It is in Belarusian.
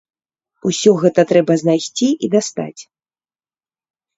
Усё гэта трэба знайсці і дастаць.